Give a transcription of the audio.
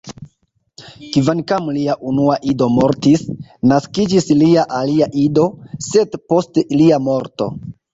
Kvankam lia unua ido mortis, naskiĝis lia alia ido, sed post lia morto.